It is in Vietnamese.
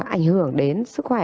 ảnh hưởng đến sức khỏe